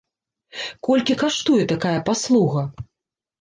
Колькі каштуе такая паслуга?